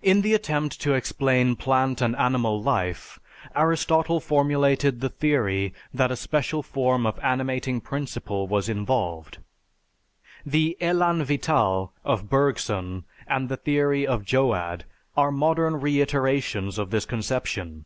In the attempt to explain plant and animal life, Aristotle formulated the theory that a special form of animating principle was involved. The "élan vital" of Bergson and the theory of Joad are modern reiterations of this conception.